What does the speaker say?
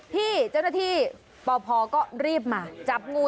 พี่เจ้าหน้าที่ปพก็รีบมาจับงู